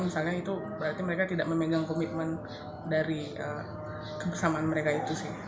misalnya itu berarti mereka tidak memegang komitmen dari kebersamaan mereka itu sih